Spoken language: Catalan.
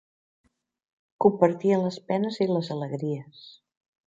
Compartien les penes i les alegries.